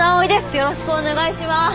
よろしくお願いします。